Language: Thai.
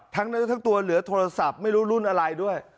ทั้งนั้นทั้งตัวเหลือโทรศัพท์ไม่รู้รุ่นอะไรด้วย